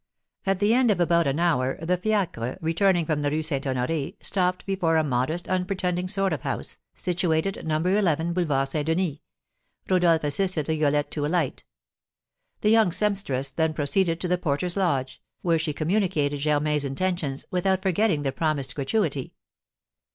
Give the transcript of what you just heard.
At the end of about an hour, the fiacre, returning from the Rue St. Honoré, stopped before a modest, unpretending sort of house, situated No. 11 Boulevard St. Denis. Rodolph assisted Rigolette to alight. The young sempstress then proceeded to the porter's lodge, where she communicated Germain's intentions, without forgetting the promised gratuity.